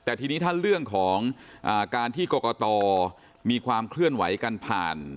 แต่ทีนี้ถ้าเรื่องของการที่กรกตมีความเคลื่อนไหวกันผ่าน